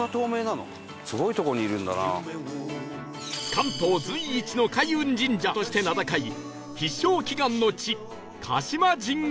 関東随一の開運神社として名高い必勝祈願の地鹿島神宮